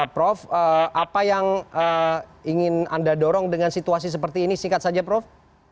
prof apa yang ingin anda dorong dengan situasi seperti ini singkat saja prof